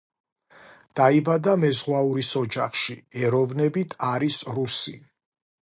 დაიბადა მეზღვაურის ოჯახში, ეროვნებით არის რუსი.